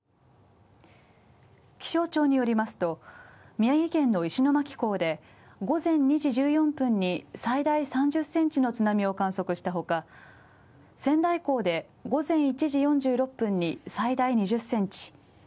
気象庁によりますと、宮城県の石巻港で午前２時１４分に最大３０センチの津波を観測したほか、仙台港で午前１時４６分に最大２０センチ。